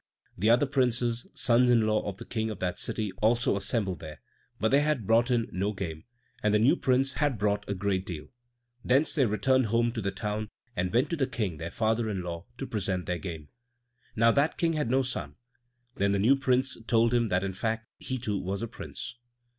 The other Princes, sons in law of the King of that city, also assembled there; but they had brought in no game, and the new Prince had brought a great deal. Thence they returned home to the town, and went to the King their father in law, to present their game. Now that King had no son. Then the new Prince told him that in fact he, too, was a Prince.